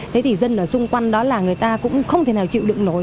thế thì dân ở xung quanh đó là người ta cũng không thể nào chịu đựng nổi